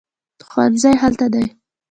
ښوونځی هلته دی